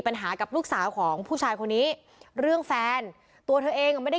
ปัญหากับลูกสาวของผู้ชายคนนี้เรื่องแฟนตัวเธอเองอ่ะไม่ได้